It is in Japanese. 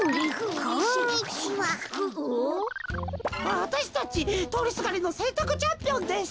わたしたちとおりすがりのせんたくチャンピオンです。